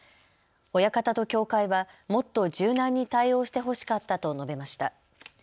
親方と協会はもっと柔軟に対応してほしかったと述べました。